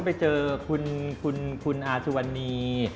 ไปเจอคุณอาชวนี